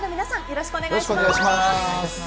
よろしくお願いします。